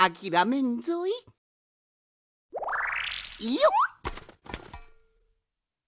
よっ！